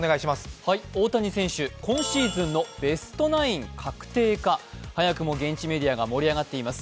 大谷選手、今シーズンのベストナイン確定か、早くも現地メディアが盛り上がっています。